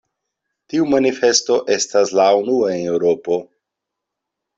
Tiu manifesto estas la unua en Eŭropo.